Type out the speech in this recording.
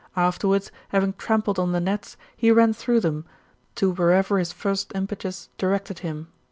Afterwards, having trampled on the nets, he ran through them, to whatever his first impetus directed him.